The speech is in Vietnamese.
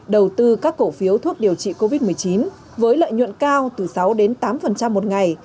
đầu tư các cổ phiếu thuốc điều trị covid một mươi chín với lợi nhuận cao từ sáu đến tám một ngày